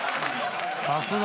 さすが。